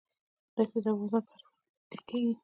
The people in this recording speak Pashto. دښتې د افغانستان په هره برخه کې موندل کېږي.